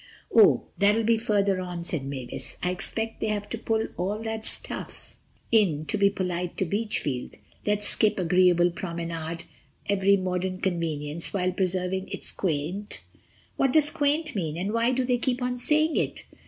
"Oh, that'll be further on," said Mavis. "I expect they have to put all that stuff in to be polite to Beachfield—let's skip—'agreeable promenade, every modern convenience, while preserving its quaint....' What does quaint mean, and why do they keep on saying it?"